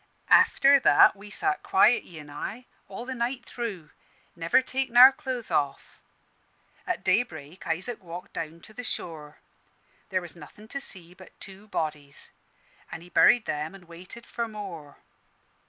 "After that we sat quiet, he an' I, all the night through, never takin' our clothes off. An' at daybreak Isaac walked down to the shore. There was nothin' to see but two bodies, an' he buried them an' waited for more.